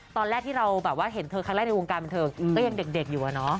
ตอนแรกที่เราแบบว่าเห็นเธอครั้งแรกในวงการบันเทิงก็ยังเด็กอยู่อะเนาะ